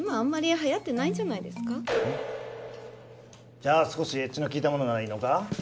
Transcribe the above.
じゃあ少しエッジの効いたものならいいのか？